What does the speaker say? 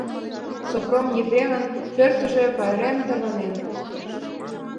Сопром Епремын пӧртыштыжӧ пайрем тарванен.